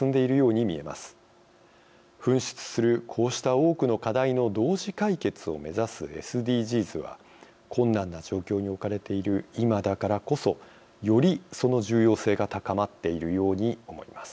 噴出するこうした多くの課題の同時解決を目指すＳＤＧｓは困難な状況に置かれている今だからこそよりその重要性が高まっているように思います。